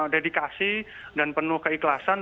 dedikasi dan penuh keikhlasan